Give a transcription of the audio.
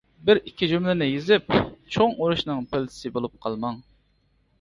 بىر ئىككى جۈملىنى يېزىپ، چوڭ ئۇرۇشنىڭ پىلتىسى بولۇپ قالماڭ.